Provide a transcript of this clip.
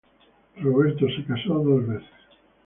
Roberto se casó dos veces.